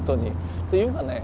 っていうかね